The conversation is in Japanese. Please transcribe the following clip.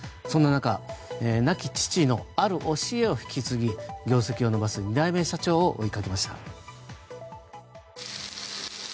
そんな中亡き父のある意思を引き継ぎ業績を伸ばす２代目社長を追いかけました。